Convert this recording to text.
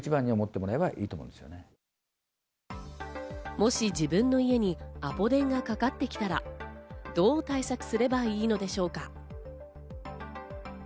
もし自分の家にアポ電がかかってきたら、どう対策すればいいのでしょうか？